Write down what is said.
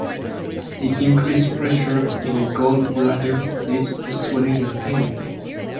The increased pressure in the gallbladder leads to swelling and pain.